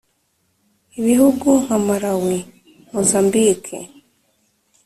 ibihugu nka malawi, mozambique,